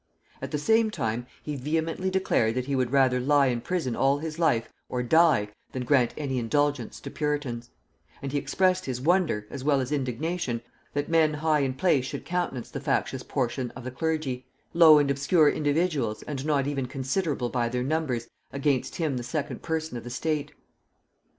At the same time he vehemently declared that he would rather lie in prison all his life, or die, than grant any indulgence to puritans; and he expressed his wonder, as well as indignation, that men high in place should countenance the factious portion of the clergy, low and obscure individuals and not even considerable by their numbers, against him the second person of the state.